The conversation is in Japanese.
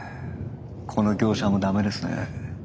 この業者もダメですね。